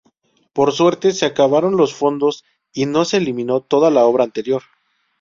Por suerte se acabaron los fondos y no se eliminó toda la obra anterior.